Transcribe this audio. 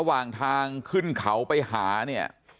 ระหว่างทางขึ้นเขาไปหาเนี่ย